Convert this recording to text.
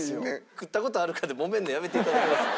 食った事あるかでもめるのやめていただけますか？